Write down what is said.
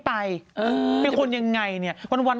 ครบแล้วก่อนวันอีก๒๐วัน